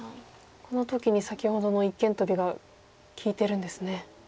この時に先ほどの一間トビが利いてるんですね。